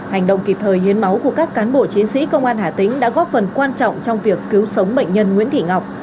hành động kịp thời hiến máu của các cán bộ chiến sĩ công an hà tĩnh đã góp phần quan trọng trong việc cứu sống bệnh nhân nguyễn thị ngọc